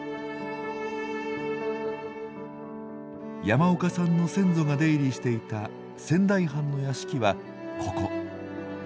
山岡さんの先祖が出入りしていた仙台藩の屋敷はここ。